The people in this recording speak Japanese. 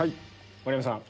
盛山さん。